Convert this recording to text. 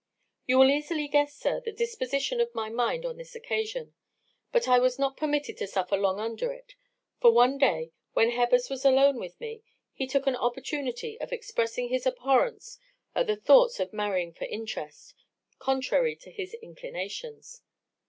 "You will easily guess, sir, the disposition of my mind on this occasion; but I was not permitted to suffer long under it; for one day, when Hebbers was alone with me, he took an opportunity of expressing his abhorrence at the thoughts of marrying for interest, contrary to his inclinations.